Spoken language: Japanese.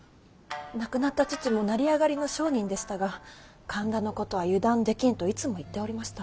亡くなった父も成り上がりの商人でしたが神田のことは油断できんといつも言っておりました。